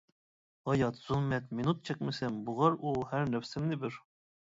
ھايات زۇلمەت مىنۇت چەكمىسەم، بوغار ئۇ ھەر نەپىسىمنى بىر.